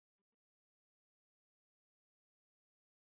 هلته به هغه مقدس ځایونه او زیارتونه ووېنم.